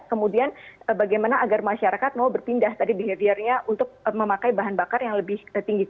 kemudian bagaimana agar masyarakat mau berpindah tadi behaviornya untuk memakai bahan bakar yang lebih tinggi